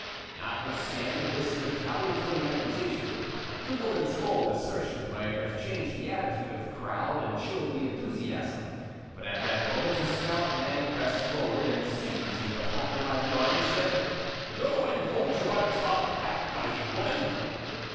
Notwithstanding this retaliatory accusation, the woman's bold assertion might have changed the attitude of the crowd and chilled the enthusiasm, but at that moment a stout man pressed forward, and seizing the hawker by the arm, said— "Go, and hold your tongue, backbiting woman!"